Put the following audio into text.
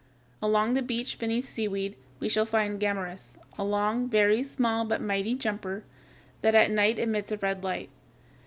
Along the beach beneath seaweed, we shall find Gammarus, a long, very small, but mighty jumper, that at night emits a red light.